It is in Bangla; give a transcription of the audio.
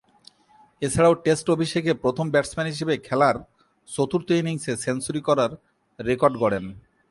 এছাড়াও, টেস্ট অভিষেকে প্রথম ব্যাটসম্যান হিসেবে খেলার চতুর্থ ইনিংসে সেঞ্চুরি করার রেকর্ড গড়েন।